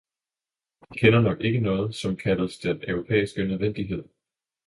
De kender nok ikke noget, som kaldes den europæiske nødvendighed!